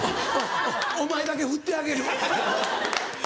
お前だけ振ってあげる。